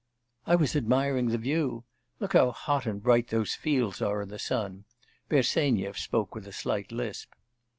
'I was admiring the view. Look how hot and bright those fields are in the sun.' Bersenyev spoke with a slight lisp.